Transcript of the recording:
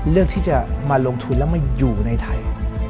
เลือกที่จะมาลงทุนแล้วมาอยู่ในไทย